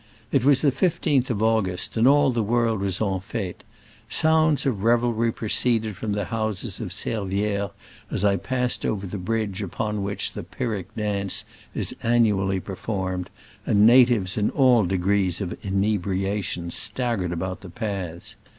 It was the 1 5th of August, and all the world was en fete: sounds of revelry proceeded from the houses of Servi^res as I passed over the bridge upon which the pyrrhic dance is annually per formed, and natives in all degrees of inebriation staggered about the paths.